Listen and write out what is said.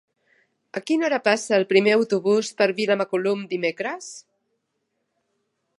A quina hora passa el primer autobús per Vilamacolum dimecres?